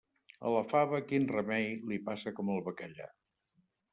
A la fava, quin remei!, li passa com al bacallà.